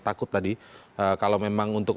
takut tadi kalau memang untuk